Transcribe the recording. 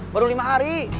baru lima hari